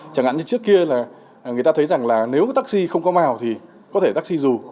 chẳng hạn như trước kia là người ta thấy rằng là nếu taxi không có màu thì có thể taxi dù